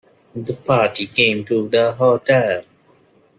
The party came to the hotel.